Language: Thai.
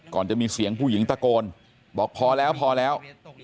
ก่อนจะมีเสียงผู้หญิงตะโกนบอกพอแล้วพอแล้ว